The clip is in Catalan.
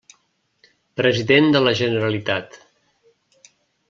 President de la Generalitat.